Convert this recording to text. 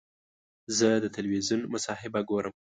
زه د تلویزیون مصاحبه ګورم.